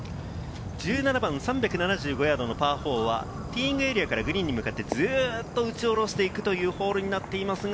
１７番、３７５ヤードのパー４、ティーイングエリアからずっと打ち下ろしていくというホールになっていますが。